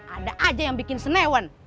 ada aja yang bikin senewan